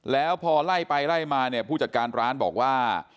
แล้วพอไล่ไปไล่มาเนี่ยผู้จัดการร้านบอกว่า